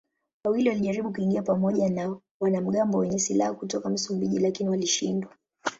Wawili walijaribu kuingia pamoja na wanamgambo wenye silaha kutoka Msumbiji lakini walishindwa.